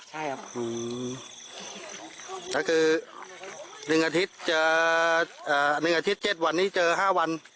ใช่ครับก็คือ๑อาทิตย์เจอ๑อาทิตย์๗วันนี้เจอ๕วัน